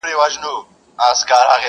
په سلا کي د وزیر هیڅ اثر نه وو،